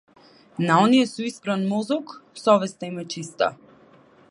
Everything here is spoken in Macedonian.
На оние со испран мозок совеста им е чиста.